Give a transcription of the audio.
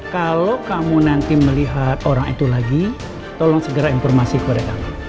kalau kamu nanti melihat orang itu lagi tolong segera informasi kepada kami